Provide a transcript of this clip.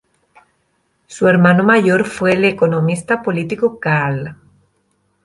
Su hermano mayor fue el economista político Karl.